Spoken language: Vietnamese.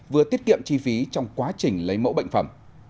vừa tiết kiệm chi phí trong quá trình lấy mẫu bệnh phẩm